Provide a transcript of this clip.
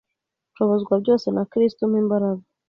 Nshobozwa byose na Kristo umpa imbaraga